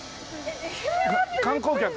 観光客？